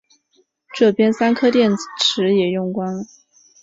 这边三颗电池也用光了